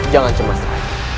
jangan cemas rai